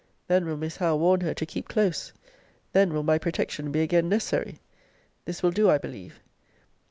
Then will Miss Howe warn her to keep close. Then will my protection be again necessary. This will do, I believe.